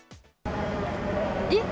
えっ？